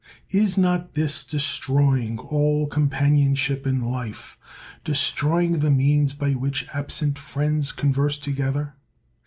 Is not this destroy ing all companionship in life, destroying the means by which absent friends converse together?